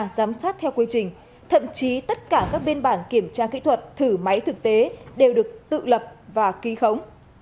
giám sát theo quy trình thậm chí tất cả các biên bản kiểm tra kỹ thuật thử máy thực tế đều được tự lập và ký khống